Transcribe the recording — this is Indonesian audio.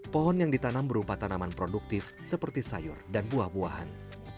pohon yang ditanam berupa tanaman produktif seperti sayur dan buah buahan